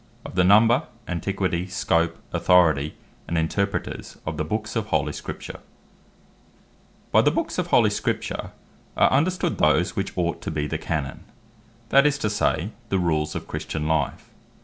OF THE NUMBER, ANTIQUITY, SCOPE, AUTHORITY, AND INTERPRETERS OF THE BOOKS OF HOLY SCRIPTURE Of The Books Of Holy Scripture By the Books of Holy SCRIPTURE, are understood those, which ought to be the Canon, that is to say, the Rules of Christian life.